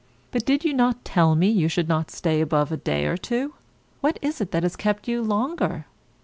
But did not you tell me you should not stay above a day or two? What is it that has kept you longer?